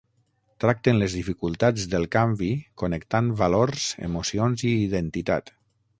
Tracten les dificultats del canvi connectant valors, emocions i identitat.